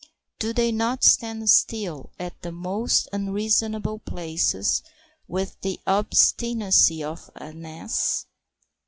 Do they not stand still at the most unreasonable places with the obstinacy of an ass?